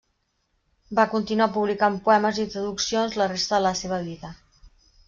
Va continuar publicant poemes i traduccions la resta de la seva vida.